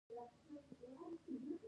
زه خراب عادتونه پرېږدم.